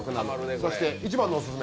そして一番のおすすめ